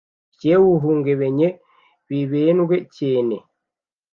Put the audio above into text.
icyewuhungebenye hibendwe cyene